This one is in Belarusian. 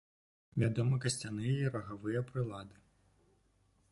Вядомы касцяныя і рагавыя прылады.